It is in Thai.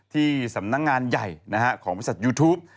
ที่สำนักงานใหญ่ของวิทยามนี้